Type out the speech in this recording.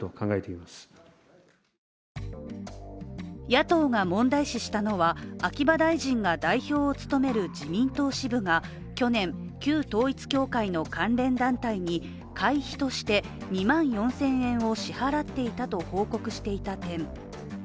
野党が問題視したのは、秋葉大臣が代表を務める自民党支部が去年、旧統一教会の関連団体に会費として２万４０００円を支払っていたと報告していた点。